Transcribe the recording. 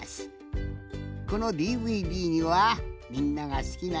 このＤＶＤにはみんながすきなえい